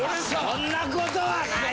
そんな事はない。